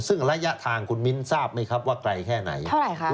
ซึ่งระยะทางคุณมิ้นทราบไหมครับว่าไกลแค่ไหนเท่าไหร่